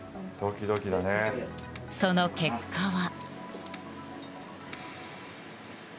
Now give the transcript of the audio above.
その結果は。